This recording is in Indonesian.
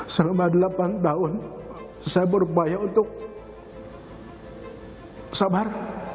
selama delapan tahun saya berupaya untuk sabar